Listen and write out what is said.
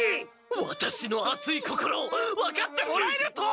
ワタシの熱い心を分かってもらえると！